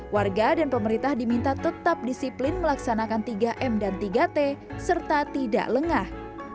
warga dan pemerintah diminta tetap disiplin melaksanakan tiga m dan tiga t serta tidak lengah